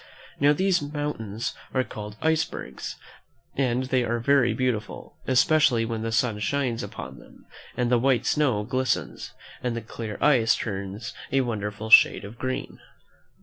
Now, these moun tains are called icebergs, and they are very beautiful, especially when the sun shines upon them, and the white snow glistens, and the clear ice turns a wonderful shade of green.